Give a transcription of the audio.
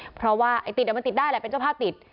เพราะว่าไอ้ติดมันติดได้แหละเป็นเจ้าภาพติด